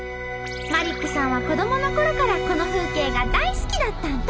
マリックさんは子どものころからこの風景が大好きだったんと。